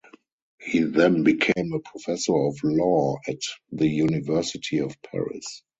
He then became a Professor of Law at the University of Paris.